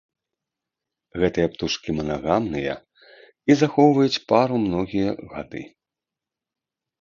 Гэтыя птушкі манагамныя і захоўваюць пару многія гады.